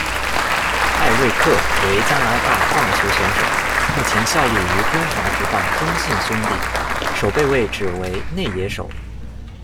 艾锐克，为加拿大棒球选手，目前效力于中华职棒中信兄弟，守备位置为内野手。